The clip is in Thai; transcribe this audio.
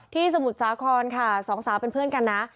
สมุทรสาครค่ะสองสาวเป็นเพื่อนกันนะ